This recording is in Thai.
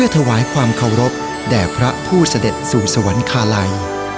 ถวายความเคารพแด่พระผู้เสด็จสู่สวรรคาลัย